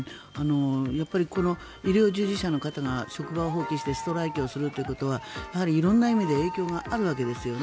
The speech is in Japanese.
この医療従事者の方が職場を放棄してストライキをするということは色んな意味で影響があるわけですよね。